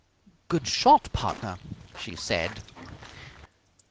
"Good shot, partner!" she said.